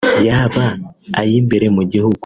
yaba ay’imbere mu gihugu